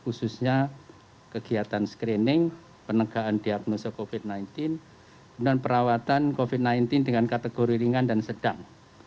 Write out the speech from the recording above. khususnya kegiatan screening penegaan diagnosa covid sembilan belas dan perawatan covid sembilan belas dengan kategori ringan dan sedang